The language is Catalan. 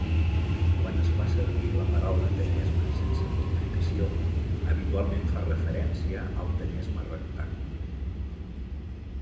Quan es fa servir la paraula "tenesme" sense modificació, habitualment fa referència al tenesme rectal.